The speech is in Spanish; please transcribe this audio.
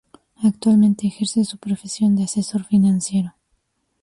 Actualmente ejerce su profesión de asesor financiero.